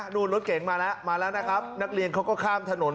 รถเก๋งมาแล้วมาแล้วนะครับนักเรียนเขาก็ข้ามถนน